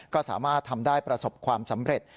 ก็สามารถทำได้ประสบความสำเร็จ